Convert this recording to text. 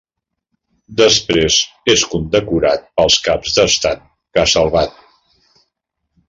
Després és condecorat pels caps d'estat que ha salvat.